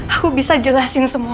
aku bisa jelasin semuanya